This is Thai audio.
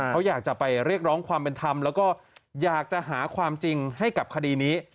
เขาอยากจะไปเรียกร้องความเป็นธรรมแล้วก็อยากจะหาความจริงให้กับคดีนี้